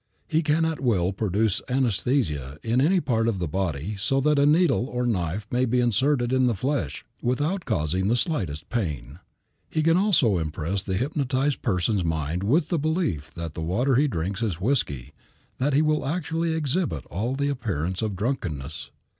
He can at will produce anesthesia in any part of the body so that a needle or knife may be inserted in the flesh without causing the slightest pain. He can so impress the hypnotized person's mind with the belief that the water he drinks is whiskey that he will actually exhibit all the appearance of drunkenness.